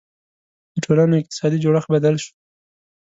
• د ټولنو اقتصادي جوړښت بدل شو.